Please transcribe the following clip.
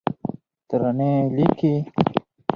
ترانې لیکې